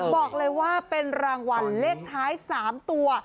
บอกเลยว่าเป็นรางวัลเลขท้าย๓ตัว